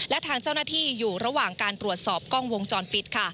และทางเจ้าหน้าที่อยู่ระหว่างการตรวจสอบกล้องวงจรปิดค่ะ